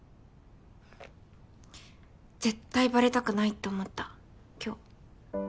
絶対バレたくないって思った今日。